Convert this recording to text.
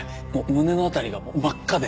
胸の辺りが真っ赤で。